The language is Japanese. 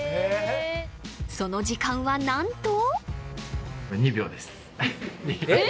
その時間はなんとえっ？